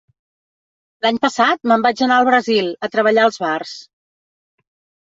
L'any passat me'n vaig anar al Brasil, a treballar als bars.